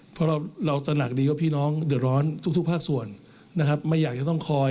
ผมทำไปก่อน